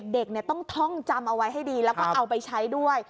เด็กต้องท่องจำเอาไว้ให้ดีแล้วก็เอาไปใช้ด้วย